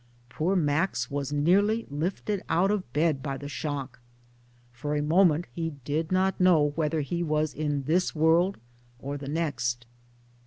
Poor Max was nearly lifted out of bed by the shock. For a moment he did not know whether he was in this world or the next.